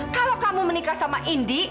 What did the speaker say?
kalau kamu menikah sama indi